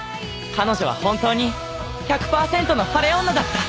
彼女は本当に １００％ の晴れ女だった！